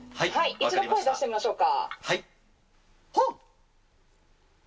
一度、声出してみましょうか。